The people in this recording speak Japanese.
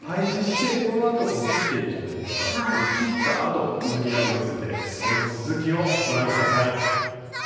切ったあと続きがありますんでその続きをご覧下さい。